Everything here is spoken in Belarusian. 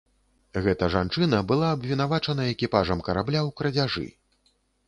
Гэта жанчына была абвінавачана экіпажам карабля ў крадзяжы.